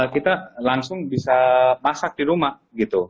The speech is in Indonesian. kita langsung bisa masak di rumah gitu